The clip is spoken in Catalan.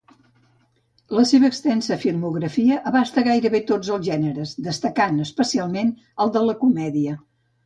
La seva extensa filmografia abasta gairebé tots els gèneres, destacant especialment el de la comèdia.